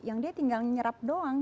yang dia tinggal nyerap doang